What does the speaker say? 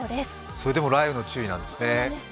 それでも雷雨の注意なんですね。